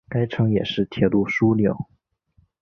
该城也是铁路枢纽。